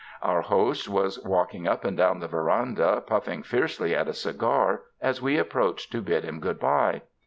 Our host was walking up and down the veranda puffing fiercely at a cigar, as we approached to bid him good bye.